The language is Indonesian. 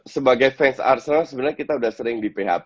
sebagai fans arsenal sebenarnya kita sudah sering di php